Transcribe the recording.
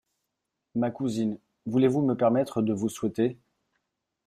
Ma cousine, voulez-vous me permettre de vous souhaiter ?…